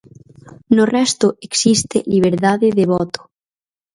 No resto existe liberdade de voto.